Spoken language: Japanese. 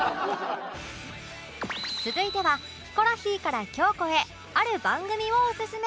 続いてはヒコロヒーから京子へある番組をオススメ